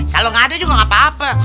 kalau gak ada juga gak apa apa